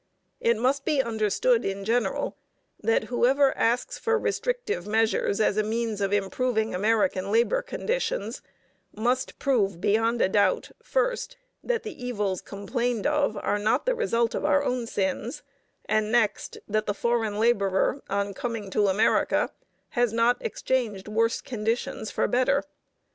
It must be understood in general that whoever asks for restrictive measures as a means of improving American labor conditions must prove beyond a doubt, first, that the evils complained of are not the result of our own sins, and next, that the foreign laborer on coming to America has not exchanged worse conditions for better.